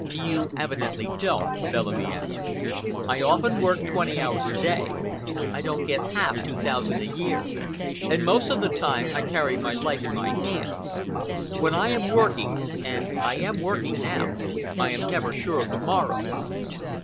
"You evidently don't," Bellamy answered. "I often work twenty hours a day, I don't get half two thousand a year, and most of the time I carry my life in my hands. When I am working—and I am working now—I am never sure of the morrow."